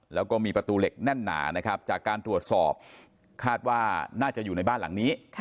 แล้วก็มีประตูเหล็กแน่นหนานะครับจากการตรวจสอบคาดว่าน่าจะอยู่ในบ้านหลังนี้